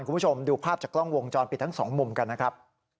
คุณผู้ชมดูภาพจากกล้องวงจรปิดทั้งสองมุมกันนะครับ